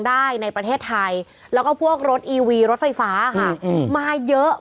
ได้ในประเทศไทยแล้วก็พวกรถอีวีรถไฟฟ้าค่ะมาเยอะ